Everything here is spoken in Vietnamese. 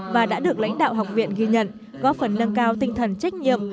và đã được lãnh đạo học viện ghi nhận góp phần nâng cao tinh thần trách nhiệm